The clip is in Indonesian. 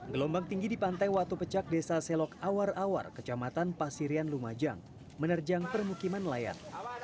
gelombang tinggi di pantai watu pecak desa selok awar awar kecamatan pasirian lumajang menerjang permukiman nelayan